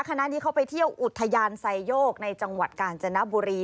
คณะนี้เขาไปเที่ยวอุทยานไซโยกในจังหวัดกาญจนบุรี